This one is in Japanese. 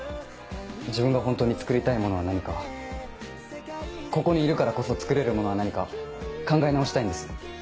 自分がホントに作りたいものは何かここにいるからこそ作れるものは何か考え直したいんです。